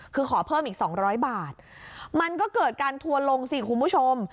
คือขอเพิ่มอีก๒๐๐บาทมันก็เกิดการทัวร์ลงสิคุณผู้ชม